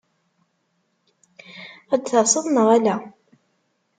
Ad d-taseḍ neɣ ala?